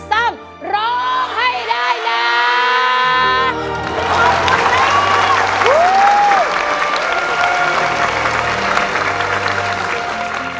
ร้องให้ได้นะ